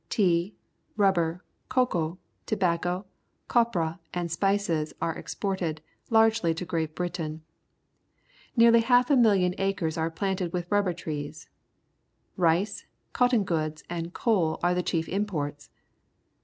Teaj._ rubber^ cocoa, t^jicco,. copra, and spices are exported, largely to Great Britain. Nearly half a mil lion acres are planted with rubber trees. Rice, cotton goods, and coal are the chief imports.